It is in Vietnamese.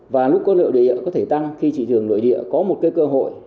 và lúc có nội địa có thể tăng khi thị trường nội địa có một cơ hội